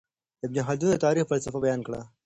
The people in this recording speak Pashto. ابن خلدون د تاريخ فلسفه بيان کړه.